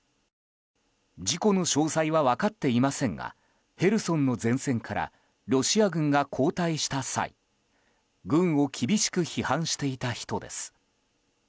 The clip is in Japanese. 事故の詳細は分かっていませんがヘルソンの前線からロシア軍が後退した際軍を厳しく批判していた人です。